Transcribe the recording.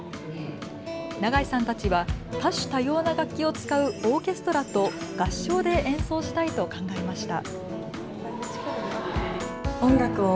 長井さんたちは多種多様な楽器を使うオーケストラと合唱で演奏したいと考えました。